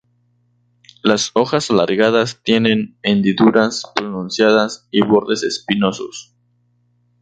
Las hojas alargadas tienen hendiduras pronunciadas y bordes espinosos.